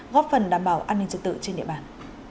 góp phần đảm bảo an ninh trật tự trên địa bàn